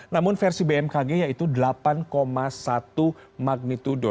namun versi bmkg yaitu delapan satu magnitudo